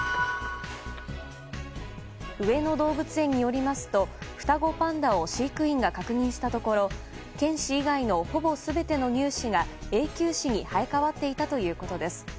上野動物園によりますと双子パンダを飼育員が確認したところ犬歯以外のほぼ全ての乳歯が永久歯に生え変わっていたということです。